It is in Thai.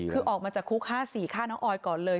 คือออกมาจากคุก๕๔ฆ่าน้องออยก่อนเลย